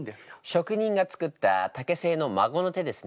職人が作った竹製の孫の手ですね。